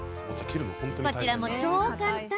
こちらも超簡単。